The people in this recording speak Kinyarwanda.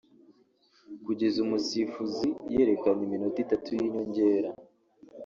Kugeza umusifuzi yerekanye iminota itatu y’inyongera